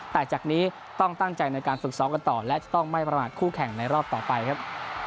แต่จากนี้ต้องตั้งใจในการฝึกซ้อมกันต่อและจะต้องไม่ประมาทคู่แข่งในรอบต่อไปครับ